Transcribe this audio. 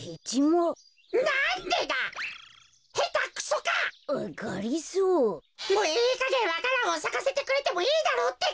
もういいかげんわか蘭をさかせてくれてもいいだろうってか。